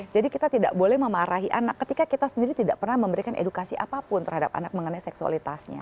jadi kita tidak boleh memarahi anak ketika kita sendiri tidak pernah memberikan edukasi apapun terhadap anak mengenai seksualitasnya